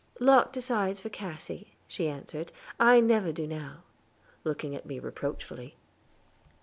"Locke decides for Cassy," she answered; "I never do now," looking at me reproachfully.